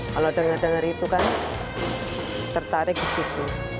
kalau denger denger itu kan tertarik disitu